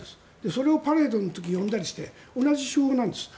それをパレードの時に呼んだりして同じ手法なんです。